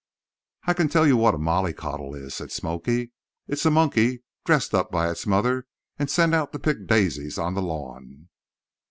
"I can tell you what a mollycoddle is," said "Smoky." "It's a monkey dressed up by its mother and sent out to pick daisies on the lawn."